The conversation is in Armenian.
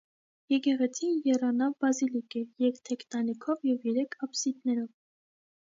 Եկեղեցին եռանավ բազիլիկ է՝ երկթեք տանիքով և երեք աբսիդներով։